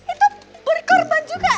itu berkorban juga